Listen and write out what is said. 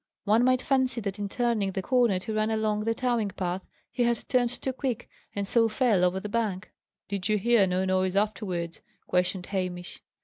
One might fancy that in turning the corner to run along the towing path he had turned too quick, and so fell over the bank." "Did you hear no noise afterwards?" questioned Hamish.